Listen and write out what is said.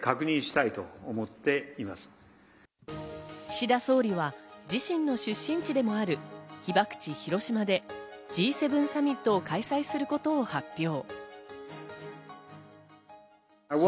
岸田総理は自身の出身地でもある被爆地・広島でＧ７サミットを開催することを発表。